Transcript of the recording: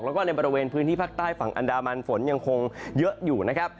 แล้วก็ในบริเวณพื้นที่ภาคใต้ฝั่งอันดามันฝนยังคงเยอะอยู่นะครับ